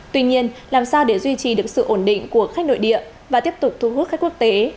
tuy nhiên làm sao để duy trì được sự ổn định của khách nội địa và tiếp tục thu hút khách quốc tế